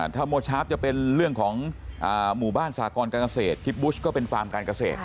ถ้าโมชาร์ฟจะเป็นเรื่องของหมู่บ้านสากรการเกษตรคิปบุชก็เป็นฟาร์มการเกษตร